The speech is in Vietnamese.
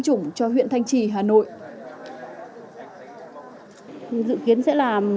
cho quận đống đa